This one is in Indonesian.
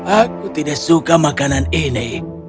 aku tidak suka makanan ini